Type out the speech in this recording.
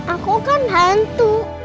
aku kan hantu